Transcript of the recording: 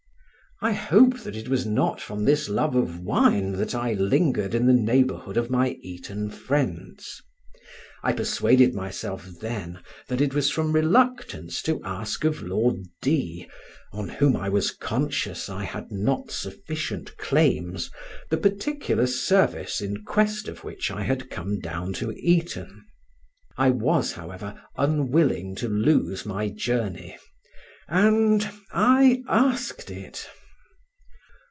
I hope that it was not from this love of wine that I lingered in the neighbourhood of my Eton friends; I persuaded myself then that it was from reluctance to ask of Lord D——, on whom I was conscious I had not sufficient claims, the particular service in quest of which I had come down to Eton. I was, however unwilling to lose my journey, and—I asked it.